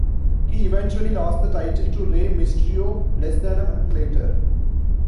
He eventually lost the title to Rey Mysterio less than a month later.